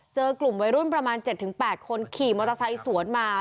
เจอกลุ่มวัยรุ่นประมาณ๗๘คนขี่มอเตอร์ไซค์สวนมา